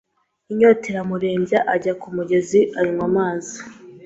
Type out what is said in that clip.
inyota iramurembya, ajya mu mugezi anywa amazi,